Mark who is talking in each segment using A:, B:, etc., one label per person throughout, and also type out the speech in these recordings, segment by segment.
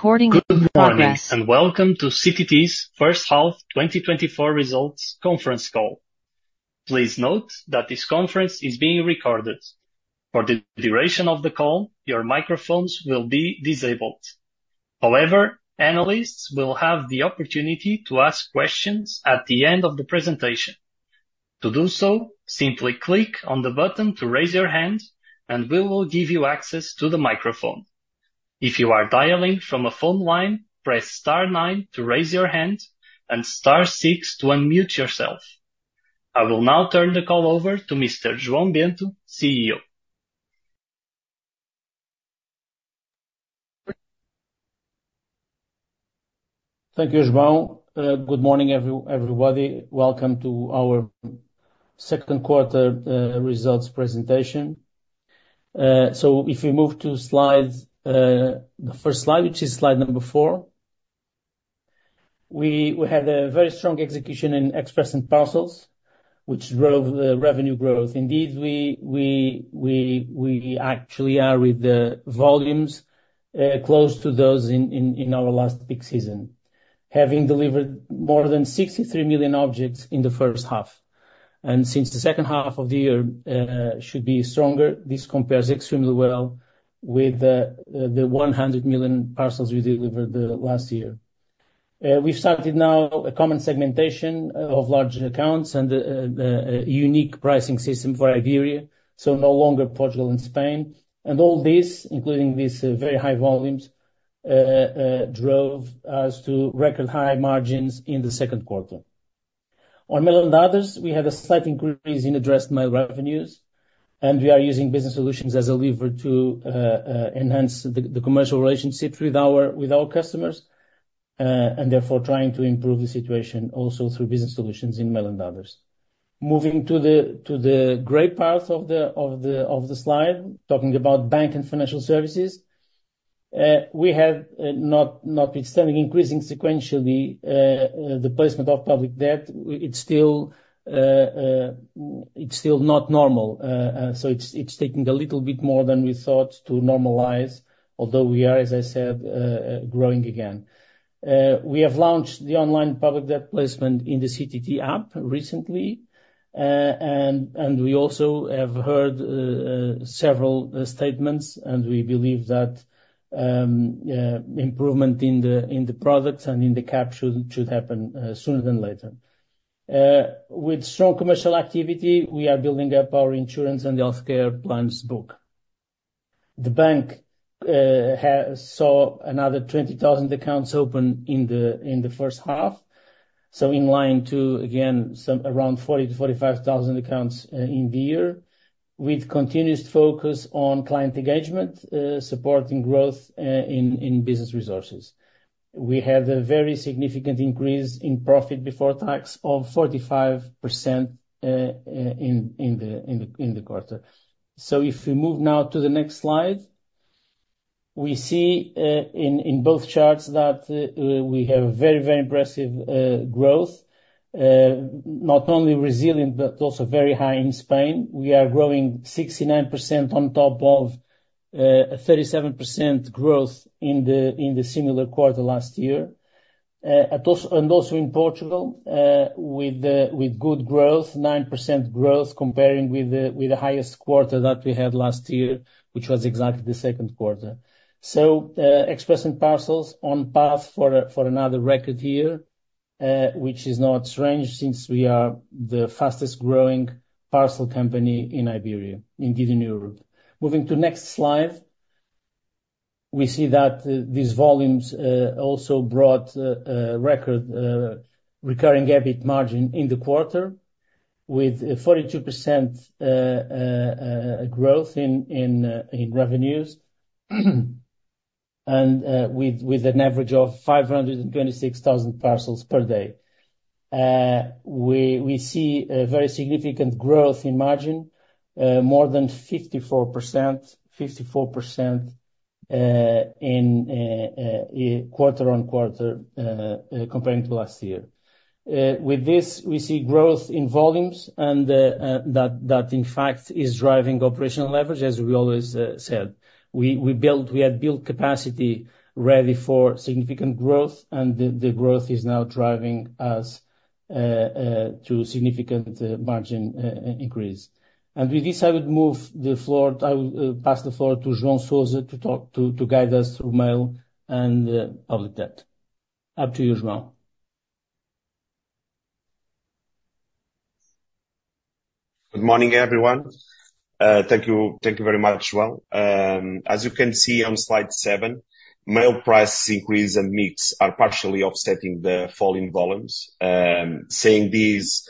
A: Good morning and welcome to CTT's first half 2024 results conference call. Please note that this conference is being recorded. For the duration of the call, your microphones will be disabled. However, analysts will have the opportunity to ask questions at the end of the presentation. To do so, simply click on the button to raise your hand, and we will give you access to the microphone. If you are dialing from a phone line, press star nine to raise your hand and star six to unmute yourself. I will now turn the call over to Mr. João Bento, CEO.
B: Thank you, João. Good morning, everybody. Welcome to our second quarter results presentation. So if we move to the first slide, which is slide number four, we had a very strong execution in Express and Parcels, which drove the revenue growth. Indeed, we actually are with the volumes close to those in our last peak season, having delivered more than 63 million objects in the first half. And since the second half of the year should be stronger, this compares extremely well with the 100 million parcels we delivered last year. We've started now a common segmentation of large accounts and a unique pricing system for Iberia, so no longer Portugal and Spain. And all this, including these very high volumes, drove us to record high margins in the second quarter. On Mail and Others, we had a slight increase in addressed mail revenues, and we are using business solutions as a lever to enhance the commercial relationships with our customers and therefore trying to improve the situation also through business solutions in Mail and Others. Moving to the gray part of the slide, talking about Bank and Financial Services, we have not been seeing increasing sequentially the placement of public debt. It's still not normal. So it's taking a little bit more than we thought to normalize, although we are, as I said, growing again. We have launched the online public debt placement in the CTT app recently, and we also have heard several statements, and we believe that improvement in the products and in the cap should happen sooner than later. With strong commercial activity, we are building up our insurance and healthcare plans book. The bank saw another 20,000 accounts open in the first half, so in line to, again, around 40,000-45,000 accounts in the year with continuous focus on client engagement, supporting growth in business resources. We had a very significant increase in profit before tax of 45% in the quarter. So if we move now to the next slide, we see in both charts that we have very, very impressive growth, not only resilient, but also very high in Spain. We are growing 69% on top of a 37% growth in the similar quarter last year. And also in Portugal, with good growth, 9% growth comparing with the highest quarter that we had last year, which was exactly the second quarter. So Express and Parcels on path for another record year, which is not strange since we are the fastest growing parcel company in Iberia, indeed in Europe. Moving to the next slide, we see that these volumes also brought record recurring EBIT margin in the quarter with 42% growth in revenues and with an average of 526,000 parcels per day. We see a very significant growth in margin, more than 54%, 54% in quarter-on-quarter comparing to last year. With this, we see growth in volumes and that, in fact, is driving operational leverage, as we always said. We had built capacity ready for significant growth, and the growth is now driving us to significant margin increase. With this, I would move the floor. I will pass the floor to João Sousa to guide us through mail and public debt. Up to you, João.
C: Good morning, everyone. Thank you very much, João. As you can see on slide seven, mail prices increase and mix are partially offsetting the fall in volumes. Saying this,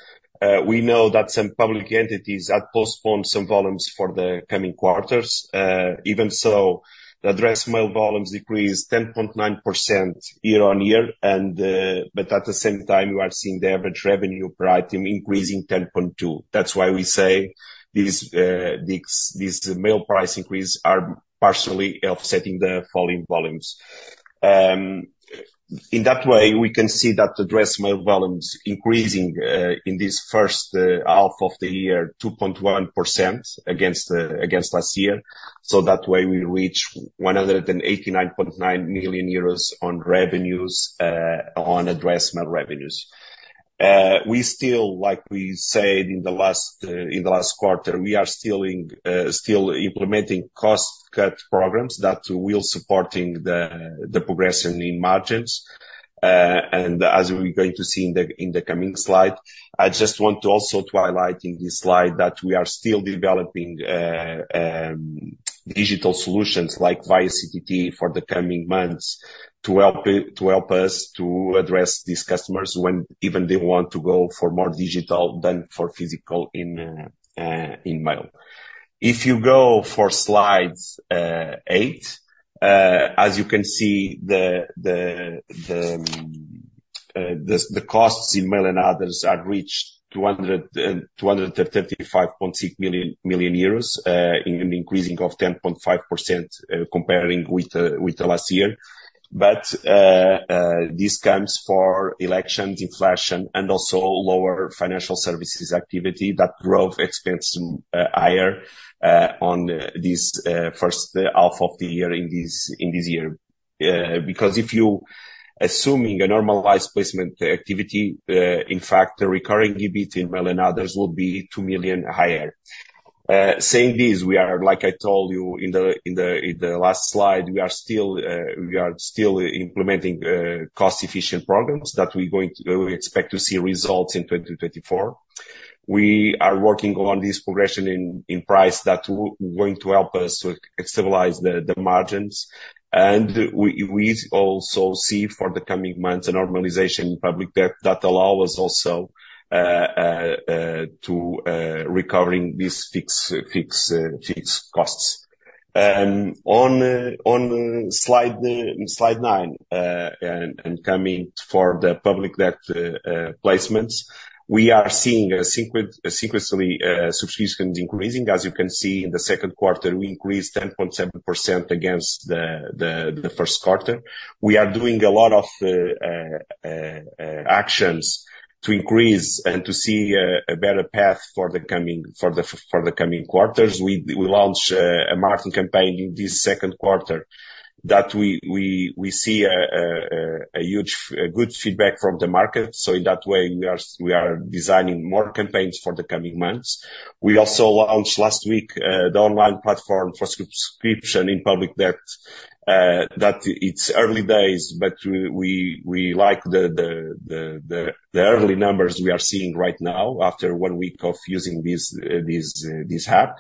C: we know that some public entities have postponed some volumes for the coming quarters. Even so, the addressed mail volumes decreased 10.9% year-on-year, but at the same time, we are seeing the average revenue per item increasing 10.2%. That's why we say these mail price increases are partially offsetting the fall in volumes. In that way, we can see that addressed mail volumes increasing in this first half of the year 2.1% against last year. So that way, we reach 189.9 million euros on addressed mail revenues. We still, like we said in the last quarter, we are still implementing cost-cut programs that will support the progression in margins. As we're going to see in the coming slide, I just want to also highlight in this slide that we are still developing digital solutions like ViaCTT for the coming months to help us to address these customers when even they want to go for more digital than for physical in mail. If you go for slide eight, as you can see, the costs in Mail and Others have reached 235.6 million with an increase of 10.5% compared with last year. But this comes from elections, inflation, and also lower Financial Services activity that drove expenses higher in this first half of the year. Because if you're assuming a normalized placement activity, in fact, the recurring EBIT in Mail and Others will be 2 million higher. Saying this, we are, like I told you in the last slide, we are still implementing cost-efficient programs that we expect to see results in 2024. We are working on this progression in price that will help us to stabilize the margins. We also see for the coming months a normalization in public debt that allows us also to recover these fixed costs. On slide nine, coming to the public debt placements, we are seeing a significant substantial increase. As you can see, in the second quarter, we increased 10.7% against the first quarter. We are doing a lot of actions to increase and to see a better path for the coming quarters. We launched a marketing campaign in this second quarter that we see a good feedback from the market. So in that way, we are designing more campaigns for the coming months. We also launched last week the online platform for subscription in public debt. It's early days, but we like the early numbers we are seeing right now after one week of using this app.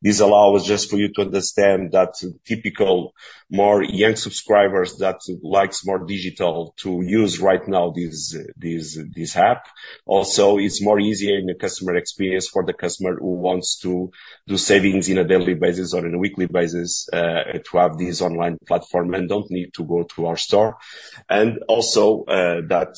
C: This allows us just for you to understand that typical more young subscribers that like more digital to use right now this app. Also, it's more easier in the customer experience for the customer who wants to do savings on a daily basis or on a weekly basis to have this online platform and don't need to go to our store. Also that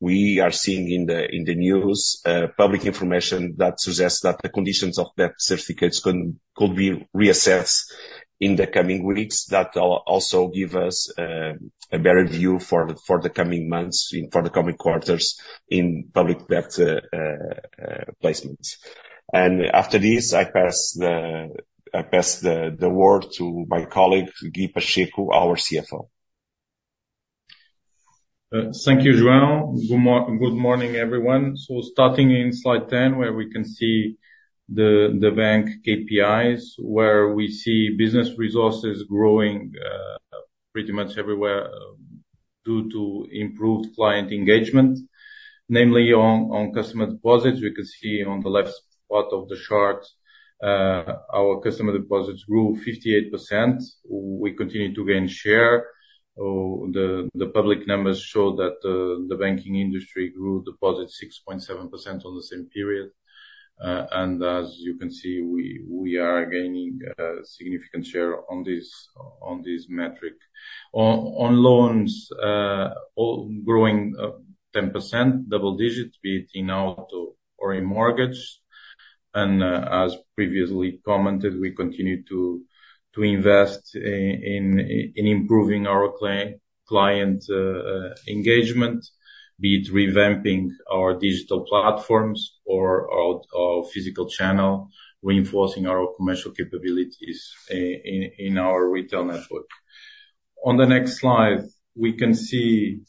C: we are seeing in the news public information that suggests that the conditions of debt certificates could be reassessed in the coming weeks that also give us a better view for the coming months and for the coming quarters in public debt placements. After this, I pass the word to my colleague, Guy Pacheco, our CFO.
D: Thank you, João. Good morning, everyone. So starting in slide 10, where we can see the Bank KPIs, where we see business resources growing pretty much everywhere due to improved client engagement. Namely, on customer deposits, we can see on the left part of the chart, our customer deposits grew 58%. We continue to gain share. The public numbers show that the banking industry grew deposits 6.7% on the same period. And as you can see, we are gaining a significant share on this metric. On loans, growing 10%, double digits, be it in auto or in mortgage. And as previously commented, we continue to invest in improving our client engagement, be it revamping our digital platforms or our physical channel, reinforcing our commercial capabilities in our retail network. On the next slide, we can see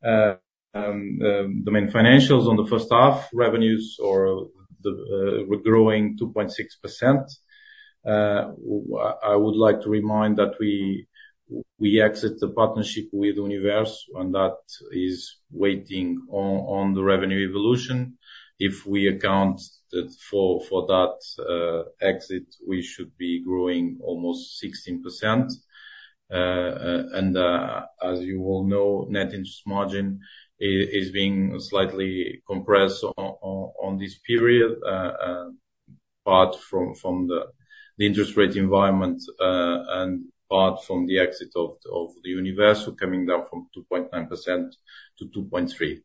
D: the main financials on the first half, revenues growing 2.6%. I would like to remind that we exit the partnership with Universo and that is waiting on the revenue evolution. If we account for that exit, we should be growing almost 16%. And as you all know, net interest margin is being slightly compressed on this period, part from the interest rate environment and part from the exit of the Universo coming down from 2.9% to 2.3%.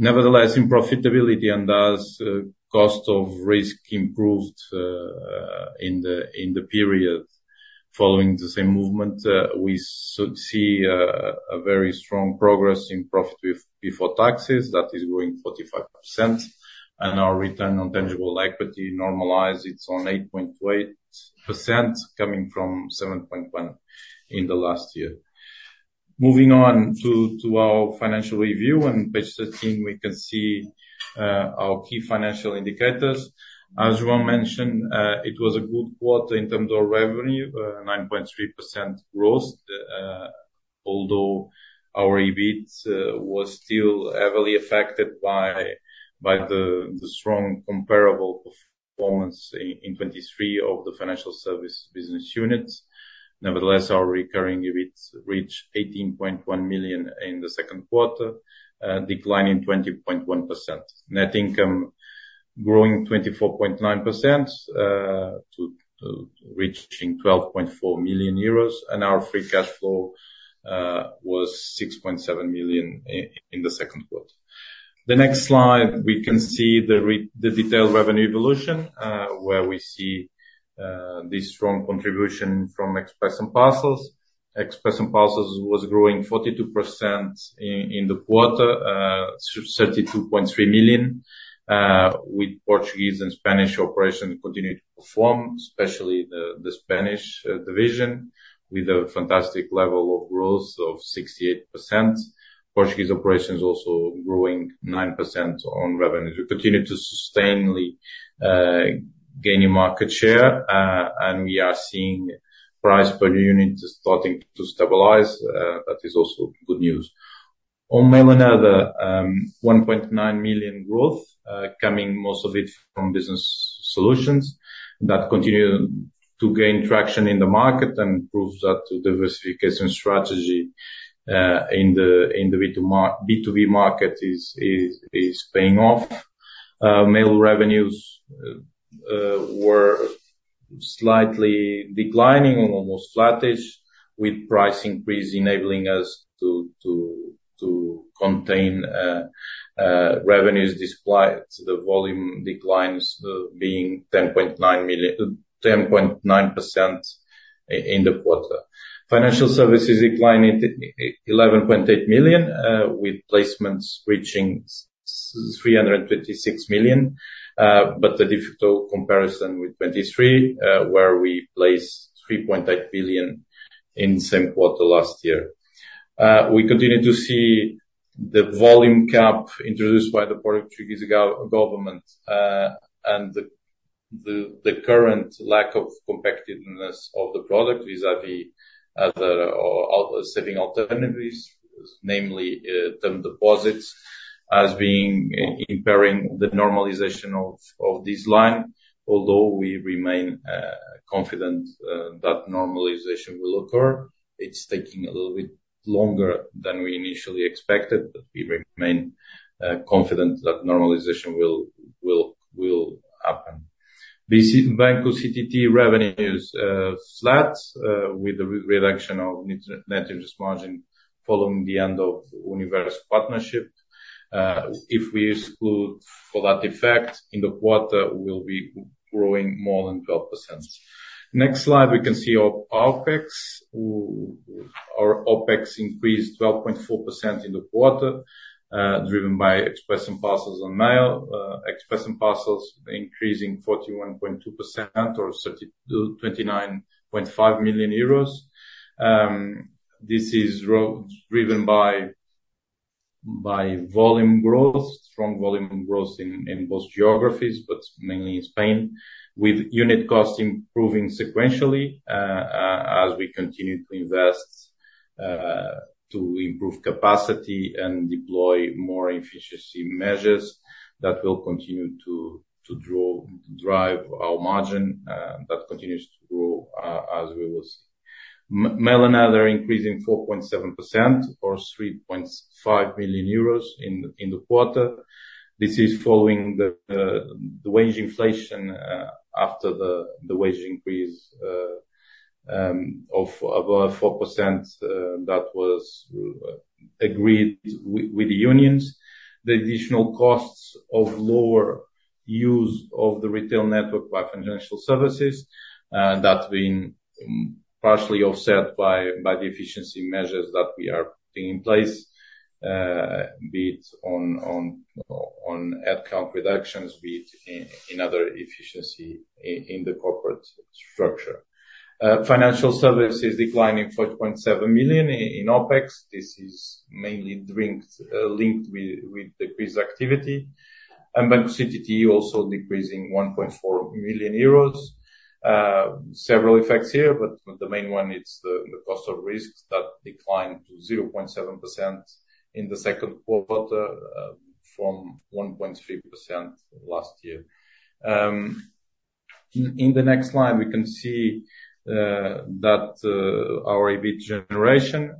D: Nevertheless, in profitability and as cost of risk improved in the period following the same movement, we see a very strong progress in profit before taxes that is growing 45%. And our return on tangible equity normalized. It's on 8.28% coming from 7.1% in the last year. Moving on to our financial review and page 13, we can see our key financial indicators. As João mentioned, it was a good quarter in terms of revenue, 9.3% growth, although our EBIT was still heavily affected by the strong comparable performance in 2023 of the Financial Service business units. Nevertheless, our recurring EBIT reached 18.1 million in the second quarter, declining 20.1%. Net income growing 24.9% to reaching 12.4 million euros, and our free cash flow was 6.7 million in the second quarter. The next slide, we can see the detailed revenue evolution where we see this strong contribution from Express and Parcels. Express and Parcels was growing 42% in the quarter, 32.3 million, with Portuguese and Spanish operations continuing to perform, especially the Spanish division, with a fantastic level of growth of 68%. Portuguese operations also growing 9% on revenue. We continue to sustainably gain market share, and we are seeing price per unit starting to stabilize. That is also good news. On Mail and Other, 1.9 million growth, coming most of it from business solutions that continue to gain traction in the market and prove that the diversification strategy in the B2B market is paying off. Mail revenues were slightly declining, almost flat-ish, with price increase enabling us to contain revenues despite the volume declines being 10.9% in the quarter. Financial Services declined 11.8 million, with placements reaching 326 million, but a difficult comparison with 2023, where we placed 3.8 billion in the same quarter last year. We continue to see the volume cap introduced by the Portuguese government and the current lack of competitiveness of the product vis-à-vis other saving alternatives, namely term deposits, as being impairing the normalization of this line. Although we remain confident that normalization will occur, it's taking a little bit longer than we initially expected, but we remain confident that normalization will happen. Banco CTT revenues flat with the reduction of net interest margin following the end of Universo partnership. If we exclude for that effect, in the quarter, we'll be growing more than 12%. Next slide, we can see our OpEx. Our OpEx increased 12.4% in the quarter, driven by Express and Parcels on mail. Express and Parcels increasing 41.2% or 29.5 million euros. This is driven by volume growth, strong volume growth in both geographies, but mainly in Spain, with unit costs improving sequentially as we continue to invest to improve capacity and deploy more efficiency measures that will continue to drive our margin that continues to grow as we will see. Mail and Other increasing 4.7% or 3.5 million euros in the quarter. This is following the wage inflation after the wage increase of about 4% that was agreed with the unions. The additional costs of lower use of the retail network by Financial Services that have been partially offset by the efficiency measures that we are putting in place, be it on headcount reductions, be it in other efficiency in the corporate structure. Financial Services declining 5.7 million in OpEx. This is mainly linked with decreased activity. Banco CTT also decreasing 1.4 million euros. Several effects here, but the main one is the cost of risk that declined to 0.7% in the second quarter from 1.3% last year. In the next slide, we can see that our EBIT generation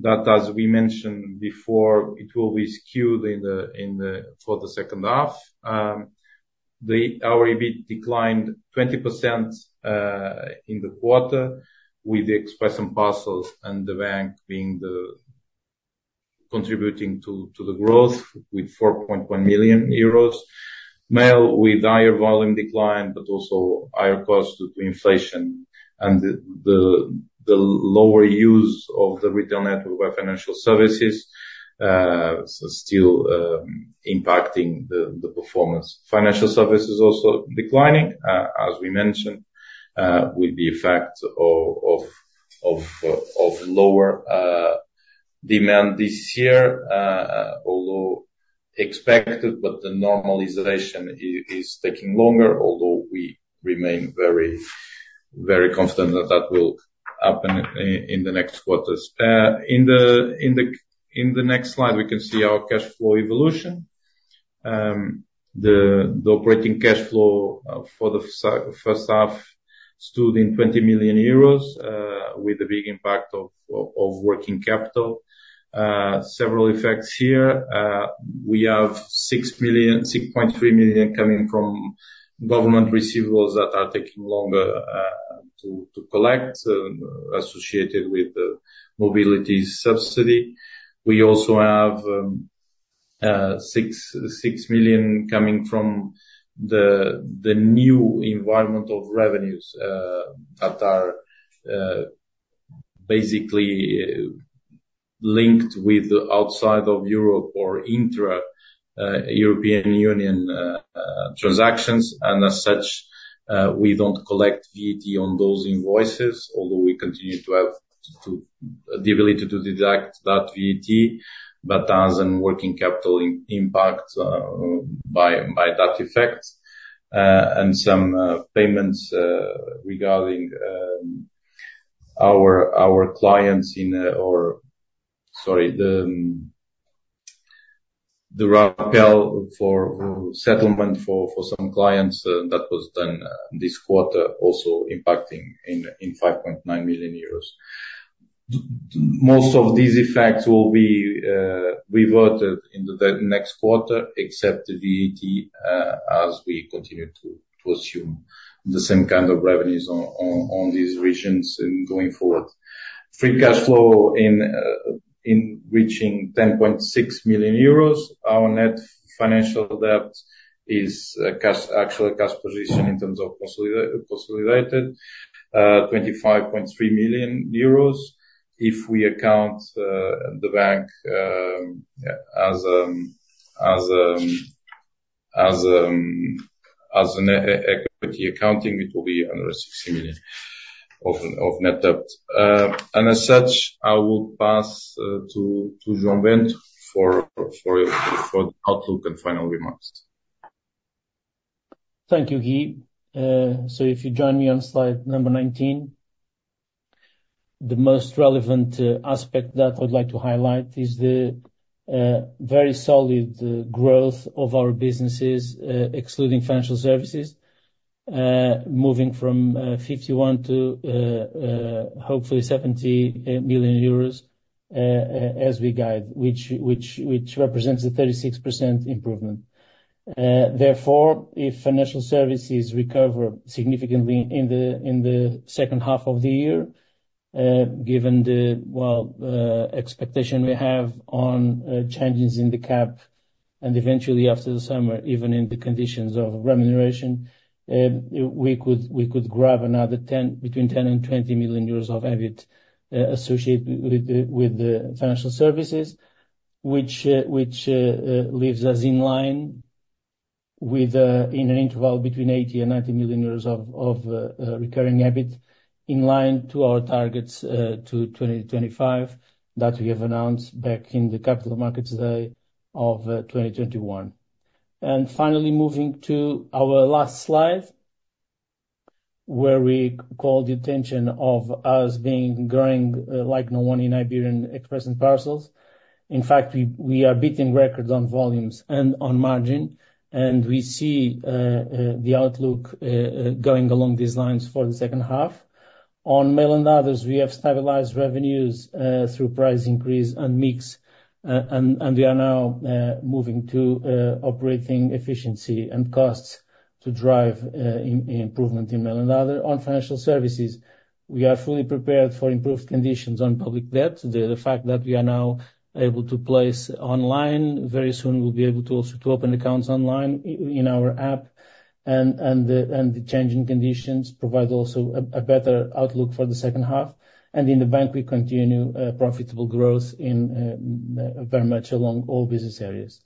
D: that, as we mentioned before, it will be skewed for the second half. Our EBIT declined 20% in the quarter with the Express and Parcels and the bank contributing to the growth with 4.1 million euros. Mail with higher volume decline, but also higher costs due to inflation and the lower use of the retail network by Financial Services still impacting the performance. Financial Services also declining, as we mentioned, with the effect of lower demand this year, although expected, but the normalization is taking longer, although we remain very confident that that will happen in the next quarter. In the next slide, we can see our cash flow evolution. The operating cash flow for the first half stood in 20 million euros with a big impact of working capital. Several effects here. We have 6.3 million coming from government receivables that are taking longer to collect, associated with the mobility subsidy. We also have 6 million coming from the new environment of revenues that are basically linked with outside of Europe or intra-European Union transactions. As such, we don't collect VAT on those invoices, although we continue to have the ability to deduct that VAT, but as in working capital impact by that effect. And some payments regarding our clients in, or sorry, the rappel for settlement for some clients that was done this quarter also impacting in 5.9 million euros. Most of these effects will be reverted in the next quarter, except the VAT as we continue to assume the same kind of revenues on these regions going forward. Free cash flow in reaching 10.6 million euros. Our net financial debt is actually a cash position in terms of consolidated, 25.3 million euros. If we account the bank as an equity accounting, it will be under 60 million of net debt. And as such, I will pass to João Bento for the outlook and final remarks.
B: Thank you, Guy. So if you join me on slide number 19, the most relevant aspect that I would like to highlight is the very solid growth of our businesses, excluding Financial Services, moving from 51 million to hopefully 70 million euros as we guide, which represents a 36% improvement. Therefore, if Financial Services recover significantly in the second half of the year, given the expectation we have on changes in the cap, and eventually after the summer, even in the conditions of remuneration, we could grab another between 10 million and 20 million euros of EBIT associated with the Financial Services, which leaves us in line with an interval between 80 million and 90 million euros of recurring EBIT in line to our targets to 2025 that we have announced back in the Capital Markets Day of 2021. Finally, moving to our last slide, where we call the attention of us being growing like no one in Iberian Express and Parcels. In fact, we are beating records on volumes and on margin, and we see the outlook going along these lines for the second half. On Mail and Others, we have stabilized revenues through price increase and mix, and we are now moving to operating efficiency and costs to drive improvement in Mail and Other. On Financial Services, we are fully prepared for improved conditions on public debt. The fact that we are now able to place online, very soon we'll be able to also open accounts online in our app, and the changing conditions provide also a better outlook for the second half. In the Bank, we continue profitable growth in very much along all business areas.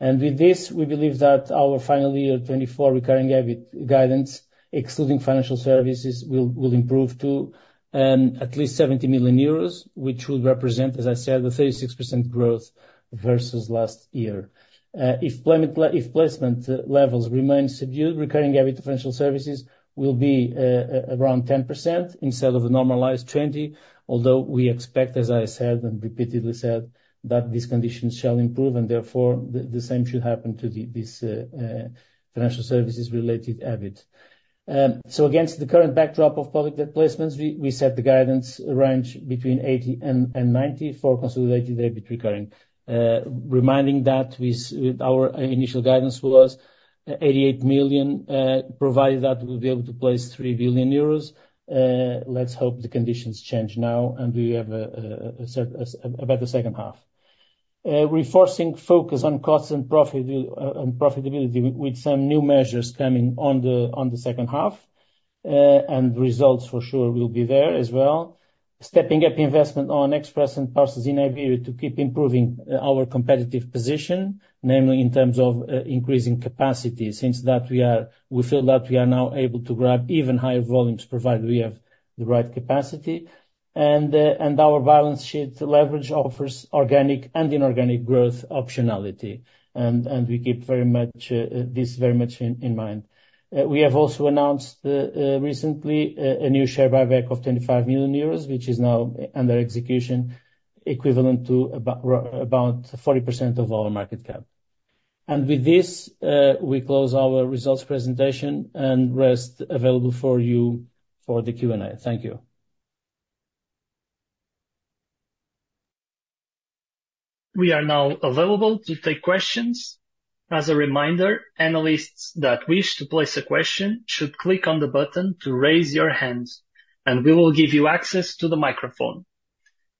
B: With this, we believe that our final 2024 recurring EBIT guidance, excluding Financial Services, will improve to at least 70 million euros, which would represent, as I said, the 36% growth versus last year. If placement levels remain subdued, recurring EBIT to Financial Services will be around 10% instead of a normalized 20%, although we expect, as I said and repeatedly said, that these conditions shall improve, and therefore the same should happen to this Financial Services-related EBIT. So against the current backdrop of public debt placements, we set the guidance range between 80 million and 90 million for consolidated EBIT recurring. Reminding that our initial guidance was 88 million, provided that we'll be able to place 3 billion euros. Let's hope the conditions change now, and we have a better second half. Reinforcing focus on costs and profitability with some new measures coming on the second half, and results for sure will be there as well. Stepping up investment on Express and Parcels in Iberia to keep improving our competitive position, namely in terms of increasing capacity, since that we feel that we are now able to grab even higher volumes provided we have the right capacity. Our balance sheet leverage offers organic and inorganic growth optionality, and we keep this very much in mind. We have also announced recently a new share buyback of 25 million euros, which is now under execution, equivalent to about 40% of our market cap. With this, we close our results presentation and we're available for you for the Q&A. Thank you.
A: We are now available to take questions. As a reminder, analysts that wish to place a question should click on the button to raise your hand, and we will give you access to the microphone.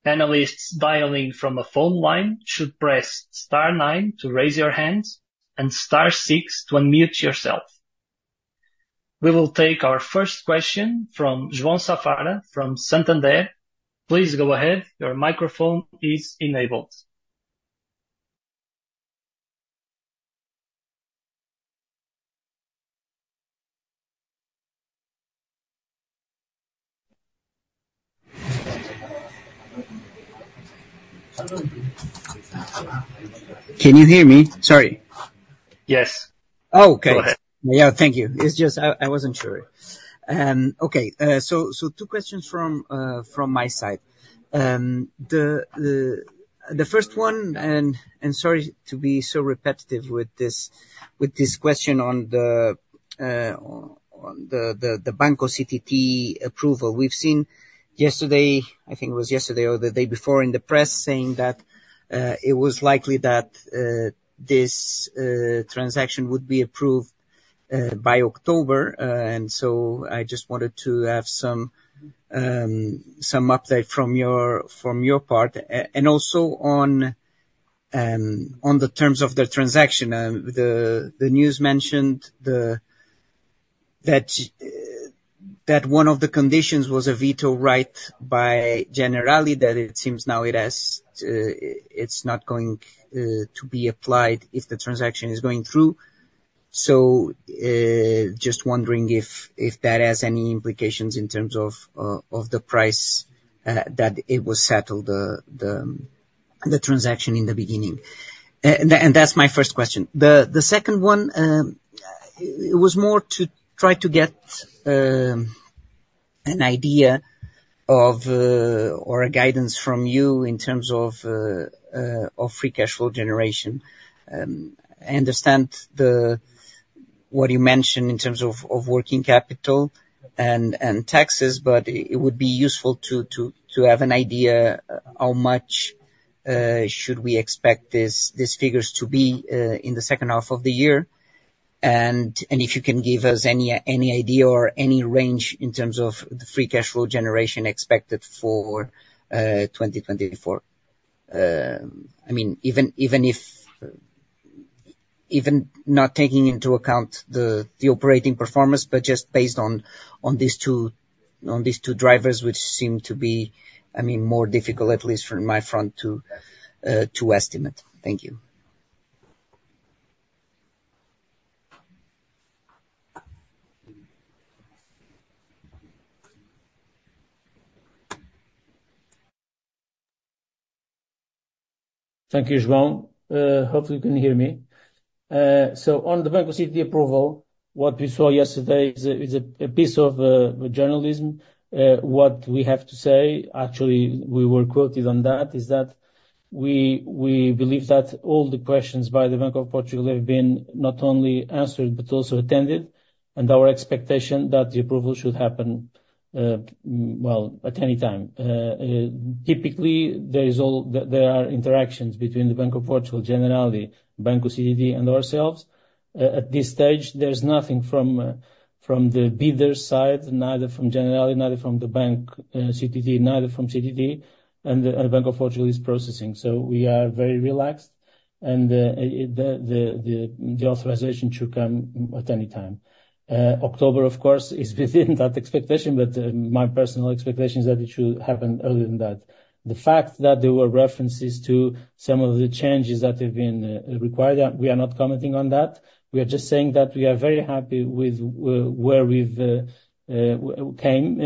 A: Analysts dialing from a phone line should press star nine to raise your hand and star six to unmute yourself. We will take our first question from João Safara from Santander. Please go ahead. Your microphone is enabled.
E: Can you hear me? Sorry.
A: Yes.
E: Oh, okay.
A: Go ahead.
E: Yeah, thank you. It's just, I wasn't sure. Okay, so two questions from my side. The first one, and sorry to be so repetitive with this question on the Banco CTT approval. We've seen yesterday, I think it was yesterday or the day before, in the press saying that it was likely that this transaction would be approved by October. And so I just wanted to have some update from your part. And also on the terms of the transaction, the news mentioned that one of the conditions was a veto right by Generali, that it seems now it's not going to be applied if the transaction is going through. So just wondering if that has any implications in terms of the price that it was settled, the transaction in the beginning. And that's my first question. The second one, it was more to try to get an idea or a guidance from you in terms of free cash flow generation. I understand what you mentioned in terms of working capital and taxes, but it would be useful to have an idea how much should we expect these figures to be in the second half of the year? And if you can give us any idea or any range in terms of the free cash flow generation expected for 2024? I mean, even not taking into account the operating performance, but just based on these two drivers, which seem to be, I mean, more difficult, at least from my front, to estimate. Thank you.
B: Thank you, João. Hopefully, you can hear me. So on the Banco CTT approval, what we saw yesterday is a piece of journalism. What we have to say, actually, we were quoted on that, is that we believe that all the questions by the Bank of Portugal have been not only answered but also attended. And our expectation is that the approval should happen, well, at any time. Typically, there are interactions between the Bank of Portugal, Generali, Banco CTT, and ourselves. At this stage, there's nothing from the bidders' side, neither from Generali, neither from the Banco CTT, neither from CTT, and the Bank of Portugal is processing. So we are very relaxed, and the authorization should come at any time. October, of course, is within that expectation, but my personal expectation is that it should happen earlier than that. The fact that there were references to some of the changes that have been required, we are not commenting on that. We are just saying that we are very happy with where we've come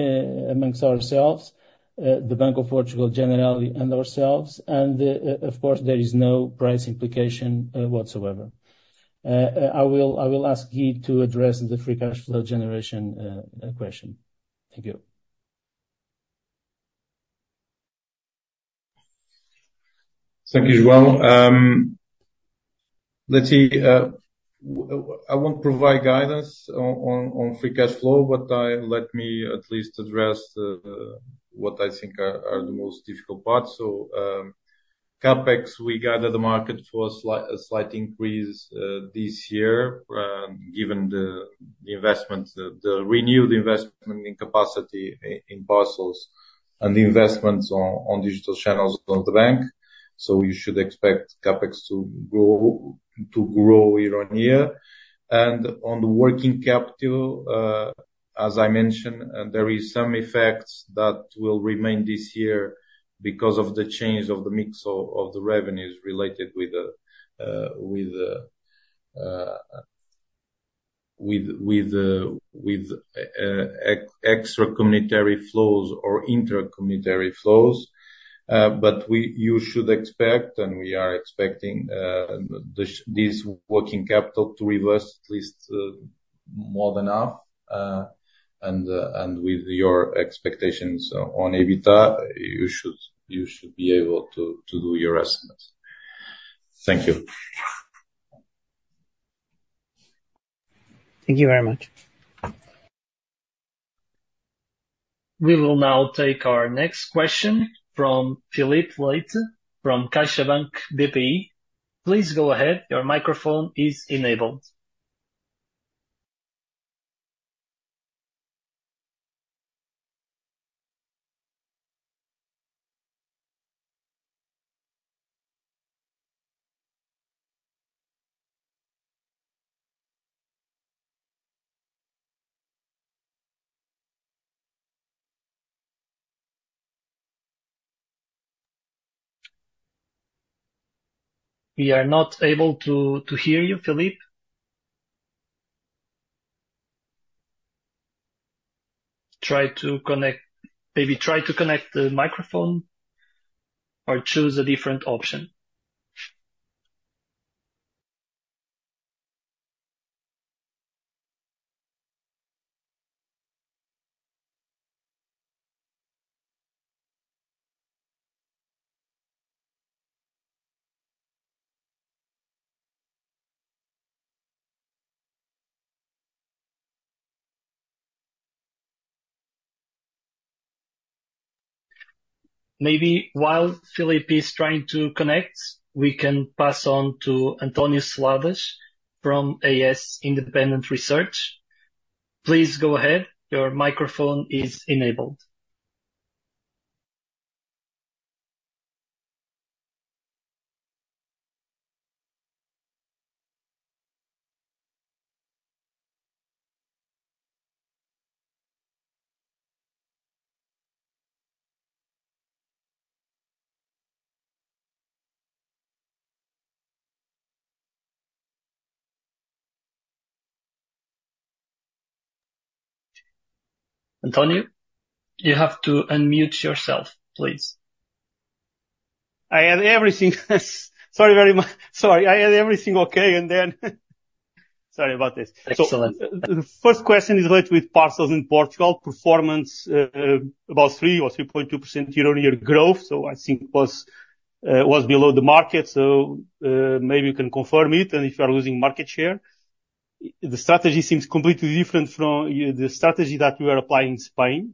B: amongst ourselves, the Bank of Portugal, Generali, and ourselves. And of course, there is no price implication whatsoever. I will ask you to address the free cash flow generation question. Thank you.
D: Thank you, João. Let's see. I won't provide guidance on free cash flow, but let me at least address what I think are the most difficult parts. CapEx, we guided the market for a slight increase this year, given the renewed investment in capacity in parcels and the investments on digital channels of the bank. You should expect CapEx to grow year-on-year. On the working capital, as I mentioned, there are some effects that will remain this year because of the change of the mix of the revenues related with extra-Community flows or intra-Community flows. You should expect, and we are expecting, this working capital to reverse at least more than half. With your expectations on EBITDA, you should be able to do your estimates. Thank you.
E: Thank you very much.
A: We will now take our next question from Filipe Leite, from CaixaBank BPI. Please go ahead. Your microphone is enabled. We are not able to hear you, Filipe. Try to connect, maybe try to connect the microphone or choose a different option. Maybe while Filipe is trying to connect, we can pass on to António Seladas from AS Independent Research. Please go ahead. Your microphone is enabled. António, you have to unmute yourself, please.
F: I had everything. Sorry very much. Sorry. I had everything okay, and then sorry about this.
A: Excellent.
F: The first question is related with parcels in Portugal. Performance about 3%-3.2% year-on-year growth. I think it was below the market. Maybe you can confirm it. If you are losing market share, the strategy seems completely different from the strategy that you are applying in Spain.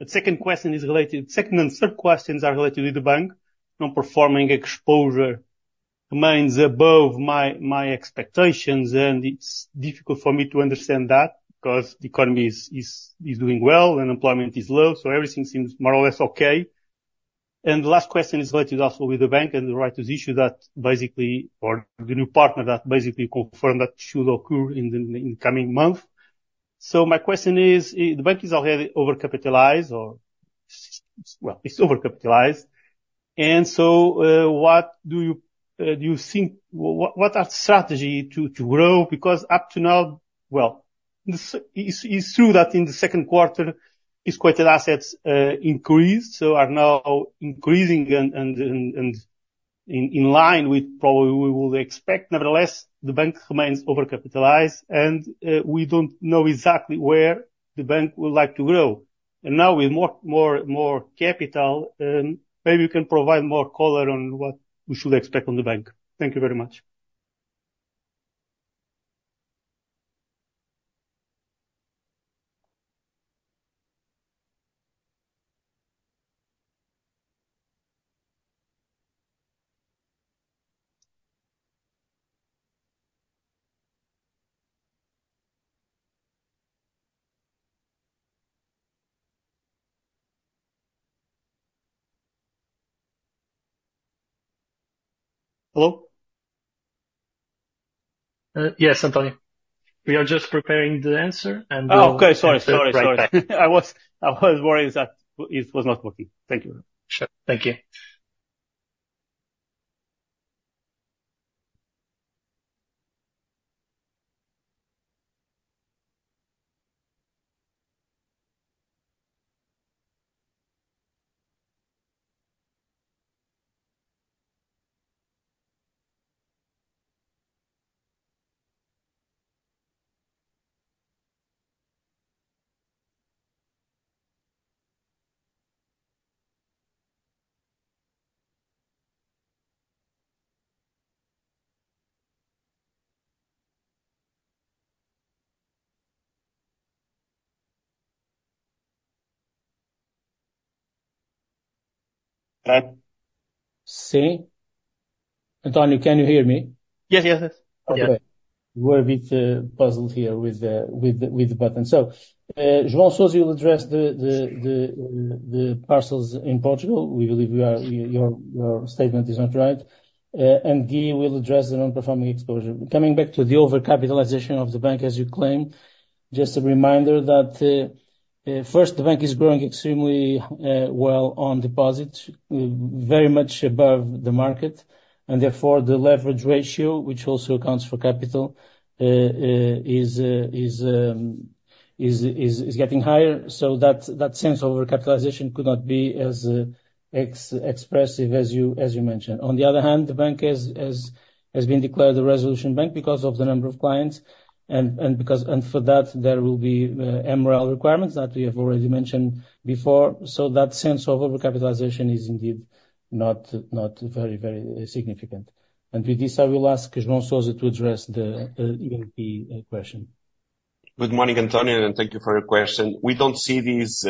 F: The second question is related. Second and third questions are related to the bank. Non-performing exposure remains above my expectations, and it's difficult for me to understand that because the economy is doing well and employment is low. Everything seems more or less okay. The last question is related also with the bank and the right to issue that basically, or the new partner that basically confirmed that should occur in the coming month. My question is, the bank is already over-capitalized or, well, it's over-capitalized. What do you think? What are the strategies to grow? Because up to now, well, it's true that in the second quarter, its quoted assets increased, so are now increasing and in line with probably we will expect. Nevertheless, the bank remains over-capitalized, and we don't know exactly where the bank would like to grow. And now with more capital, maybe you can provide more color on what we should expect from the bank. Thank you very much. Hello?
A: Yes, António. We are just preparing the answer, and.
F: Oh, okay. Sorry, sorry, sorry. I was worried that it was not working. Thank you.
A: Sure. Thank you.
F: Hello?
B: See? António, can you hear me?
F: Yes, yes, yes.
B: Okay. We're a bit puzzled here with the button. So João Sousa will address the parcels in Portugal. We believe your statement is not right. Guy will address the non-performing exposure. Coming back to the over-capitalization of the bank, as you claimed, just a reminder that first, the bank is growing extremely well on deposits, very much above the market. Therefore, the leverage ratio, which also accounts for capital, is getting higher. So that sense of over-capitalization could not be as expressive as you mentioned. On the other hand, the bank has been declared a resolution bank because of the number of clients. For that, there will be MREL requirements that we have already mentioned before. So that sense of over-capitalization is indeed not very, very significant. With this, I will ask João Sousa to address the EBIT question.
C: Good morning, António, and thank you for your question. We don't see this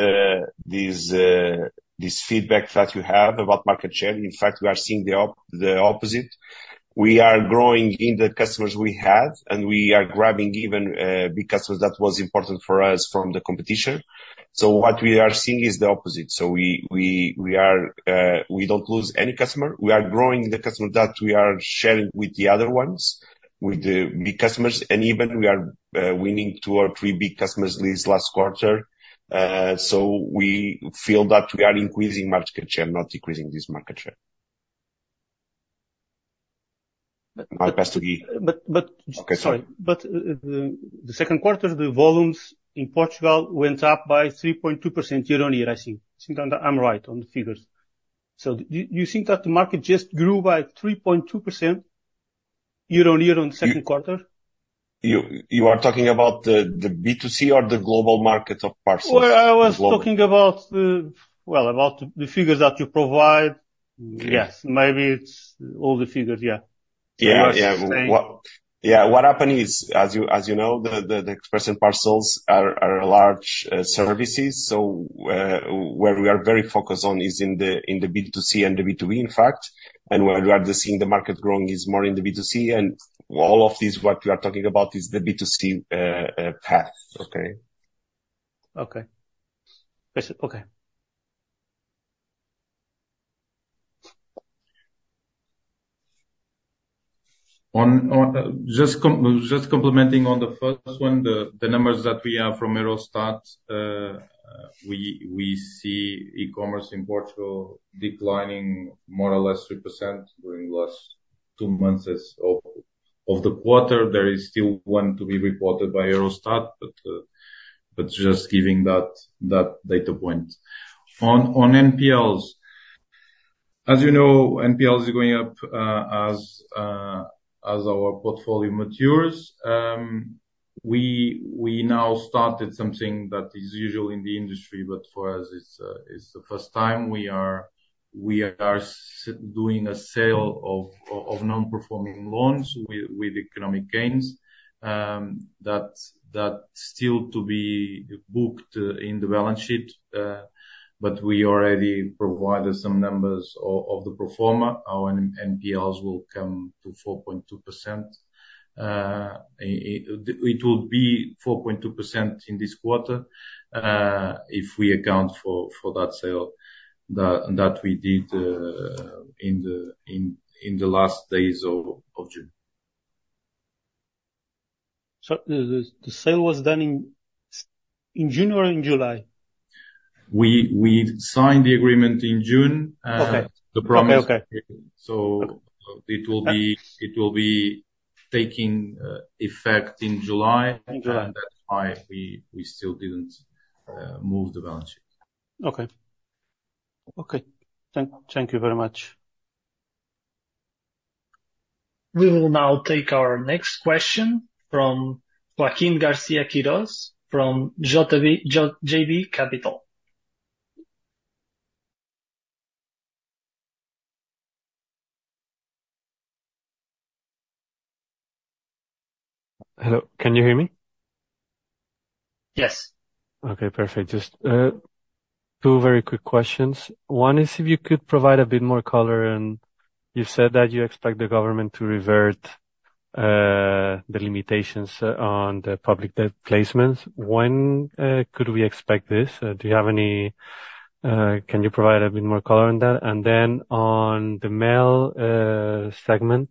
C: feedback that you have about market share. In fact, we are seeing the opposite. We are growing in the customers we have, and we are grabbing even big customers that were important for us from the competition. So what we are seeing is the opposite. So we don't lose any customer. We are growing the customers that we are sharing with the other ones, with the big customers. And even we are winning two or three big customers this last quarter. So we feel that we are increasing market share, not decreasing this market share. My question to you.
F: But.
C: Okay, sorry.
F: The second quarter, the volumes in Portugal went up by 3.2% year-on-year, I think. I think I'm right on the figures. Do you think that the market just grew by 3.2% year-on-year on the second quarter?
C: You are talking about the B2C or the global market of parcels?
F: Well, I was talking about, well, about the figures that you provide. Yes, maybe it's all the figures, yeah.
C: Yeah, yeah. What happened is, as you know, the Express and Parcels are our largest services. So where we are very focused on is in the B2C and the B2B, in fact. And where we are seeing the market growing is more in the B2C. And all of this, what we are talking about, is the B2C path, okay?
F: Okay. Okay.
D: Just commenting on the first one, the numbers that we have from Eurostat, we see e-commerce in Portugal declining more or less 3% during the last two months of the quarter. There is still one to be reported by Eurostat, but just giving that data point. On NPLs, as you know, NPLs are going up as our portfolio matures. We now started something that is usual in the industry, but for us, it's the first time. We are doing a sale of non-performing loans with economic gains that still to be booked in the balance sheet. But we already provided some numbers of the pro forma. Our NPLs will come to 4.2%. It will be 4.2% in this quarter if we account for that sale that we did in the last days of June.
F: The sale was done in January or in July?
D: We signed the agreement in June.
F: Okay. Okay. Okay.
D: It will be taking effect in July.
F: In July.
D: That's why we still didn't move the balance sheet.
F: Okay. Okay. Thank you very much.
A: We will now take our next question from Joaquín García-Quirós from JB Capital.
G: Hello. Can you hear me?
A: Yes.
G: Okay. Perfect. Just two very quick questions. One is if you could provide a bit more color. And you said that you expect the government to revert the limitations on the public debt placements. When could we expect this? Do you have any, can you provide a bit more color on that? And then on the mail segment,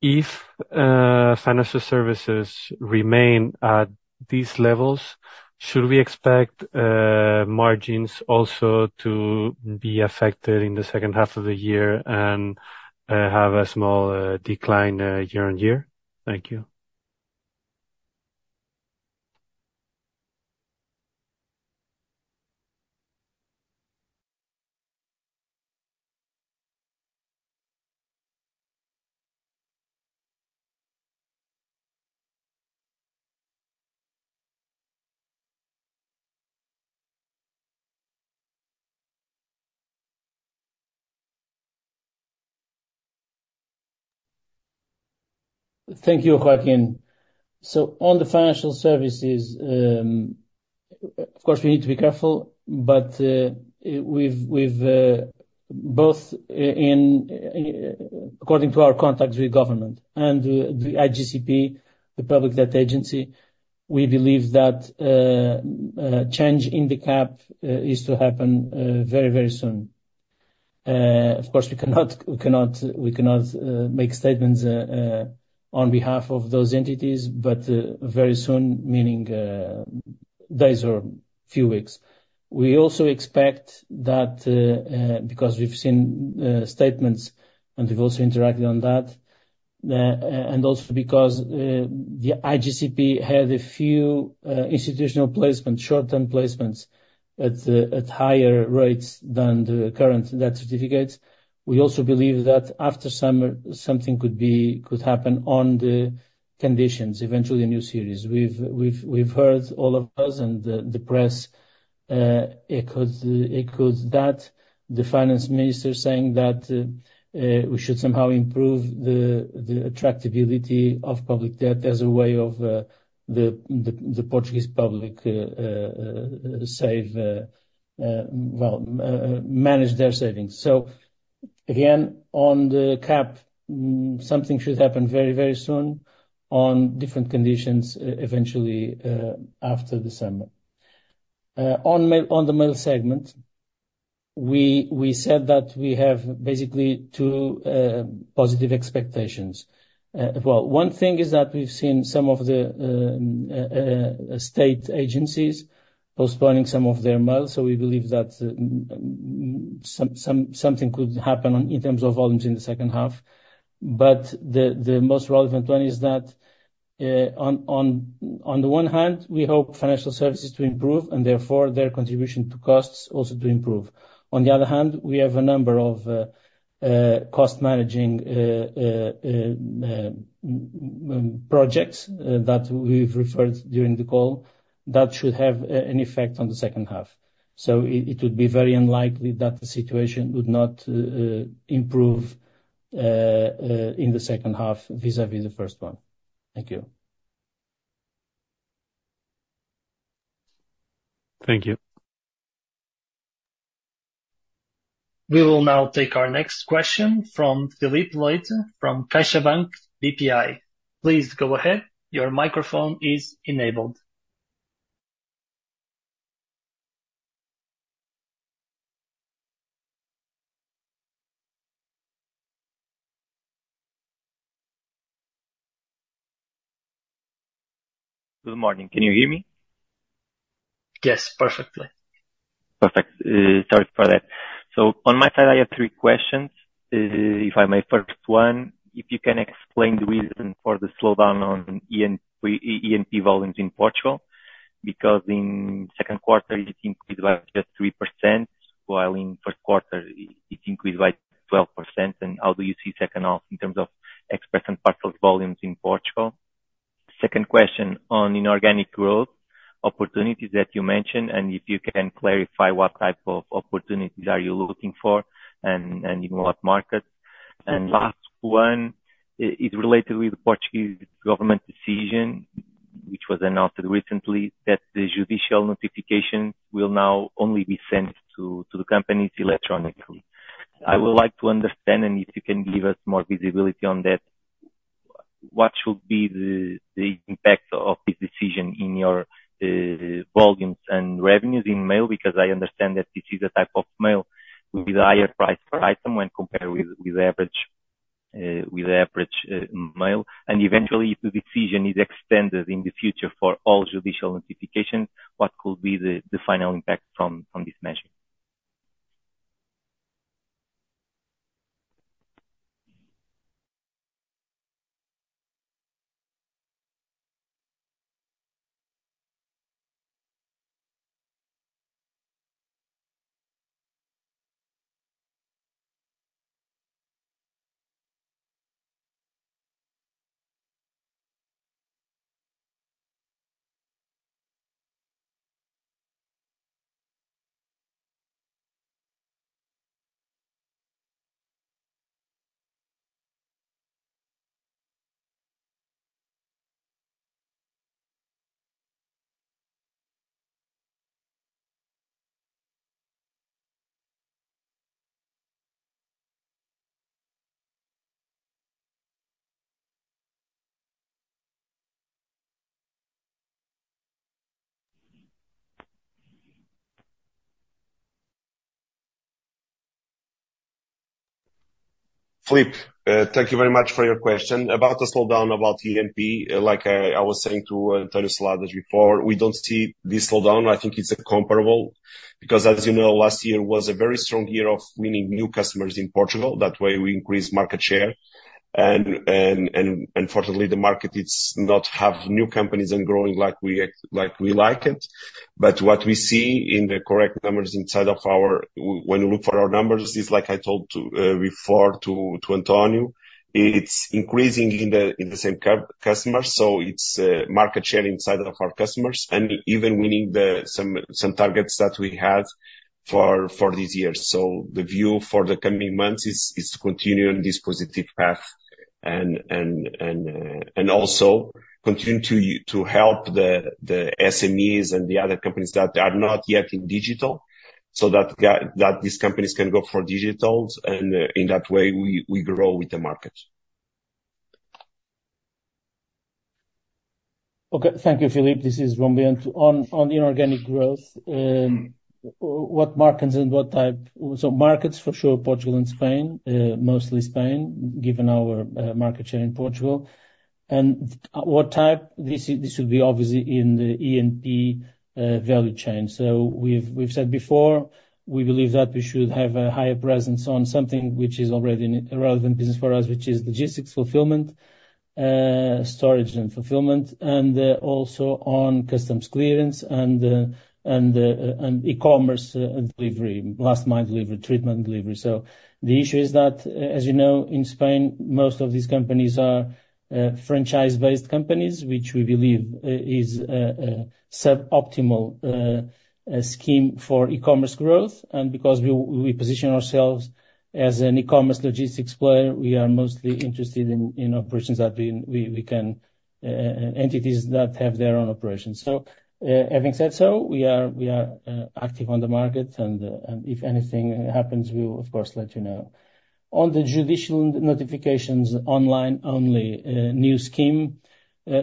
G: if Financial Services remain at these levels, should we expect margins also to be affected in the second half of the year and have a small decline year-on-year? Thank you.
B: Thank you, Joaquín. So on the Financial Services, of course, we need to be careful, but we've both, according to our contacts with government and the IGCP, the public debt agency, we believe that change in the cap is to happen very, very soon. Of course, we cannot make statements on behalf of those entities, but very soon, meaning days or a few weeks. We also expect that because we've seen statements, and we've also interacted on that, and also because the IGCP had a few institutional placements, short-term placements at higher rates than the current debt certificates. We also believe that after summer, something could happen on the conditions, eventually a new series. We've heard all of us and the press echoed that, the finance minister saying that we should somehow improve the attractability of public debt as a way of the Portuguese public save, well, manage their savings. So again, on the cap, something should happen very, very soon on different conditions, eventually after the summer. On the mail segment, we said that we have basically two positive expectations. Well, one thing is that we've seen some of the state agencies postponing some of their mail. So we believe that something could happen in terms of volumes in the second half. But the most relevant one is that on the one hand, we hope Financial Services to improve and therefore their contribution to costs also to improve. On the other hand, we have a number of cost-managing projects that we've referred during the call that should have an effect on the second half. So it would be very unlikely that the situation would not improve in the second half vis-à-vis the first one. Thank you.
G: Thank you.
A: We will now take our next question from Filipe Leite from CaixaBank BPI. Please go ahead. Your microphone is enabled.
H: Good morning. Can you hear me?
A: Yes, perfectly.
H: Perfect. Sorry for that. So on my side, I have three questions. If I may, first one, if you can explain the reason for the slowdown on E&P volumes in Portugal because in second quarter, it increased by just 3%, while in first quarter, it increased by 12%. And how do you see second half in terms of Express and Parcel volumes in Portugal? Second question on inorganic growth opportunities that you mentioned, and if you can clarify what type of opportunities are you looking for and in what markets. And last one, it's related with the Portuguese government decision, which was announced recently, that the judicial notifications will now only be sent to the companies electronically. I would like to understand, and if you can give us more visibility on that, what should be the impact of this decision in your volumes and revenues in mail? Because I understand that this is a type of mail with a higher price per item when compared with the average mail. Eventually, if the decision is extended in the future for all judicial notifications, what could be the final impact from this measure?
C: Filipe, thank you very much for your question. About the slowdown about E&P, like I was saying to António Seladas before, we don't see this slowdown. I think it's comparable because, as you know, last year was a very strong year of winning new customers in Portugal. That way, we increased market share. And unfortunately, the market, it's not having new companies and growing like we like it. But what we see in the correct numbers inside of our—when we look for our numbers, it's like I told before to António, it's increasing in the same customers. So it's market share inside of our customers and even winning some targets that we had for this year. The view for the coming months is to continue on this positive path and also continue to help the SMEs and the other companies that are not yet in digital so that these companies can go for digital. In that way, we grow with the market.
B: Okay. Thank you, Filipe. This is João Bento. On inorganic growth, what markets and what type? So markets, for sure, Portugal and Spain, mostly Spain, given our market share in Portugal. And what type? This would be obviously in the E&P value chain. So we've said before, we believe that we should have a higher presence on something which is already a relevant business for us, which is logistics, fulfillment, storage, and fulfillment, and also on customs clearance and e-commerce delivery, last-mile delivery, treatment delivery. So the issue is that, as you know, in Spain, most of these companies are franchise-based companies, which we believe is a suboptimal scheme for e-commerce growth. And because we position ourselves as an e-commerce logistics player, we are mostly interested in operations that we can, entities that have their own operations. So having said so, we are active on the market. And if anything happens, we will, of course, let you know. On the judicial notifications online-only new scheme,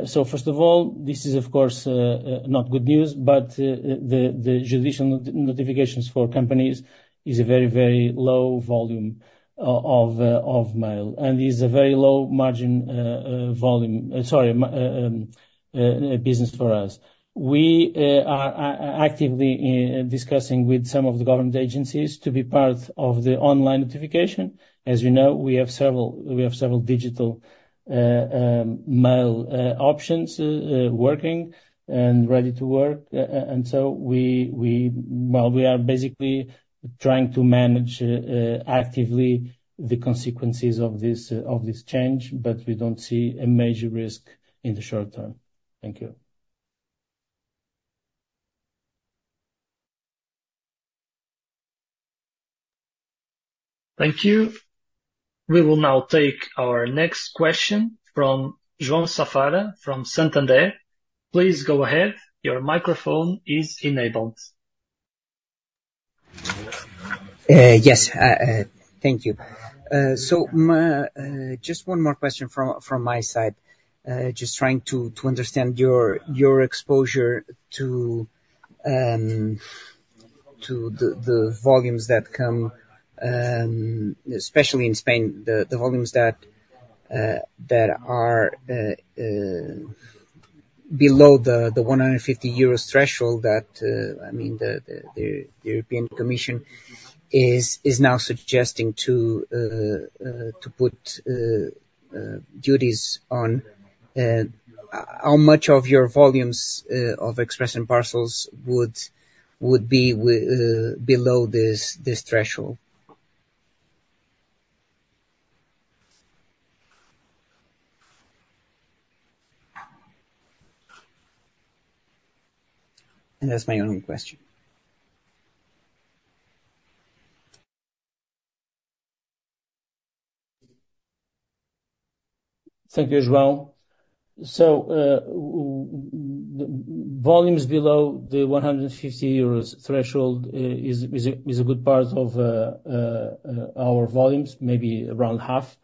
B: so first of all, this is, of course, not good news, but the judicial notifications for companies is a very, very low volume of mail. And it is a very low margin volume, sorry, business for us. We are actively discussing with some of the government agencies to be part of the online notification. As you know, we have several digital mail options working and ready to work. And so we are basically trying to manage actively the consequences of this change, but we don't see a major risk in the short term. Thank you.
A: Thank you. We will now take our next question from João Safara from Santander. Please go ahead. Your microphone is enabled.
E: Yes. Thank you. So just one more question from my side, just trying to understand your exposure to the volumes that come, especially in Spain, the volumes that are below the 150 euros threshold that, I mean, the European Commission is now suggesting to put duties on. How much of your volumes of Express and Parcels would be below this threshold? And that's my only question.
B: Thank you as well. So volumes below the 150 euros threshold is a good part of our volumes, maybe around half.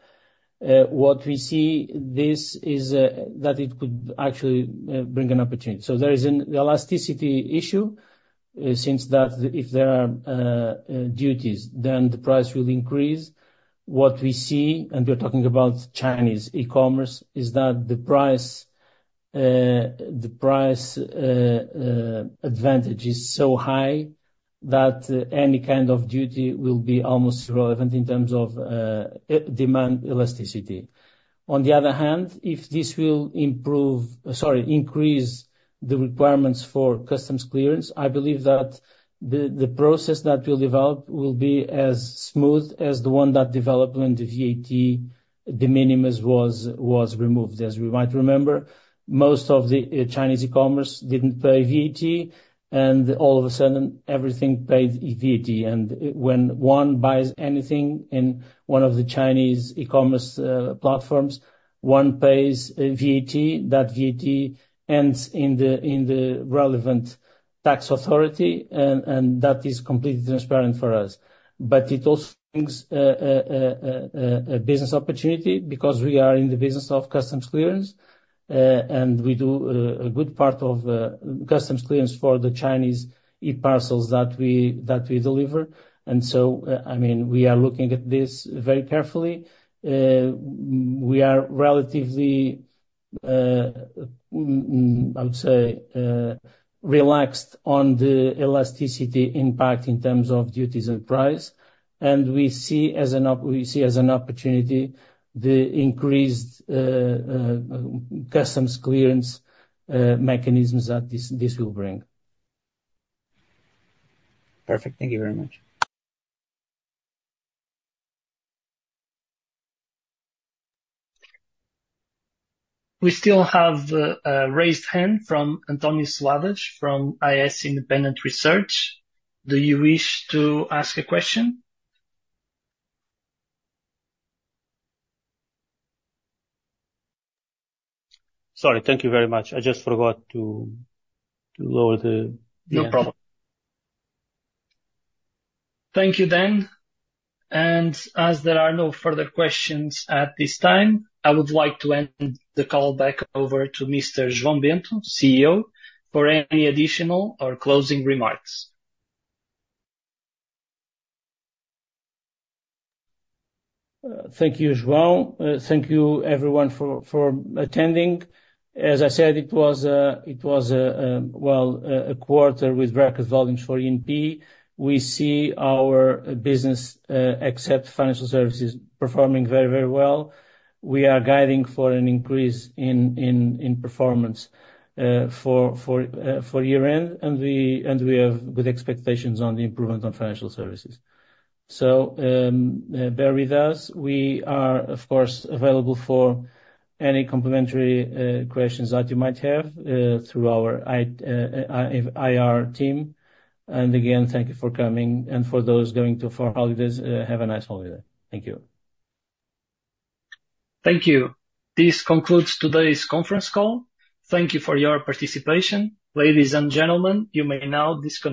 B: What we see is that it could actually bring an opportunity. So there is an elasticity issue since that if there are duties, then the price will increase. What we see, and we're talking about Chinese e-commerce, is that the price advantage is so high that any kind of duty will be almost irrelevant in terms of demand elasticity. On the other hand, if this will improve, sorry, increase the requirements for customs clearance, I believe that the process that will develop will be as smooth as the one that developed when the VAT de minimis was removed. As we might remember, most of the Chinese e-commerce didn't pay VAT, and all of a sudden, everything paid VAT. And when one buys anything in one of the Chinese e-commerce platforms, one pays VAT. That VAT ends in the relevant tax authority, and that is completely transparent for us. But it also brings a business opportunity because we are in the business of customs clearance, and we do a good part of customs clearance for the Chinese e-parcels that we deliver. And so, I mean, we are looking at this very carefully. We are relatively, I would say, relaxed on the elasticity impact in terms of duties and price. And we see as an opportunity the increased customs clearance mechanisms that this will bring.
E: Perfect. Thank you very much.
A: We still have a raised hand from António Seladas from AS Independent Research. Do you wish to ask a question?
F: Sorry. Thank you very much. I just forgot to lower the.
A: No problem. Thank you then. And as there are no further questions at this time, I would like to hand the call back over to Mr. João Bento, CEO, for any additional or closing remarks.
B: Thank you, João. Thank you, everyone, for attending. As I said, it was, well, a quarter with record volumes for E&P. We see our business, except Financial Services, performing very, very well. We are guiding for an increase in performance for year-end, and we have good expectations on the improvement on Financial Services. So bear with us. We are, of course, available for any complimentary questions that you might have through our IR team. And again, thank you for coming. And for those going to foreign holidays, have a nice holiday. Thank you.
A: Thank you. This concludes today's conference call. Thank you for your participation. Ladies and gentlemen, you may now disconnect.